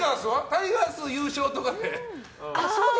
タイガース優勝とかで。